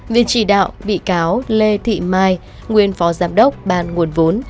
viện chỉ đạo bị cáo lê thị mai nguyên phó giám đốc bàn nguồn vốn